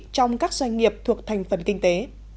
trong các doanh nghiệp thuộc thành phần kinh tế